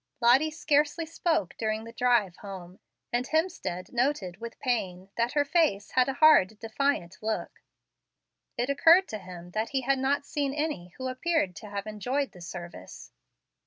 Lottie scarcely spoke during the drive home, and Hemstead noted, with pain, that her face had a hard, defiant look. It occurred to him that he had not seen any who appeared to have enjoyed the service.